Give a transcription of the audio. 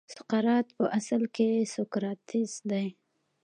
سقراط په اصل کې سوکراتیس دی.